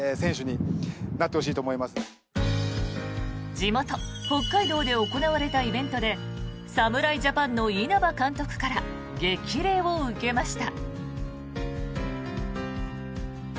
地元・北海道で行われたイベントで侍ジャパンの稲葉監督から激励を受けました。